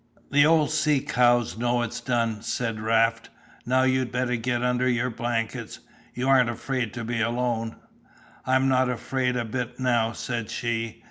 "The old sea cows know it's done," said Raft, "now you'd better get under your blankets, you aren't afraid to be alone?" "I'm not afraid a bit now," said she.